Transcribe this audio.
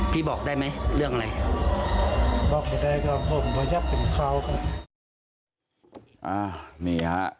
พี่บอกได้ไหมเรื่องอะไรก็ไม่ได้นะครับผมวัญญัติของเค้าครับนี่ฮะ